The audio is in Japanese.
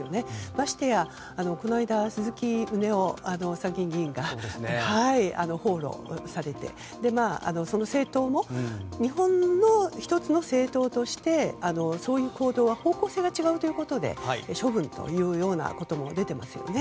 ましてや、鈴木宗男参議院議員が訪ロされて、その政党も日本の１つの政党としてそういう行動は方向性が違うということで処分ということも出ていますよね。